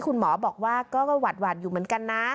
คุณหมอบอกว่าก็หวัดอยู่เหมือนกันนะ